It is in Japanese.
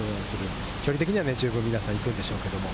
距離的には十分、皆さん行くんでしょうけれど。